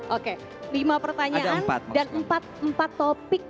oke lima pertanyaan dan empat topik